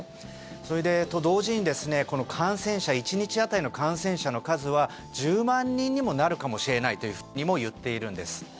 それと同時に１日当たりの感染者の数は１０万人になるかもしれないとも言っているんです。